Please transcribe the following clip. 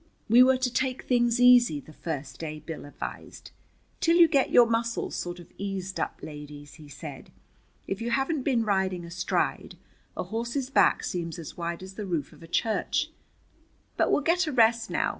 We were to take things easy the first day, Bill advised. "Till you get your muscles sort of eased up, ladies," he said. "If you haven't been riding astride, a horse's back seems as wide as the roof of a church. But we'll get a rest now.